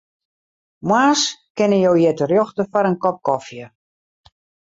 Moarns kinne jo hjir terjochte foar in kop kofje.